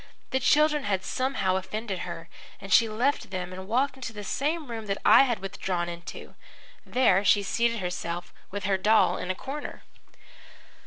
The children had somehow offended her, and she left them and walked into the same room that I had withdrawn into. There she seated herself with her doll in a corner.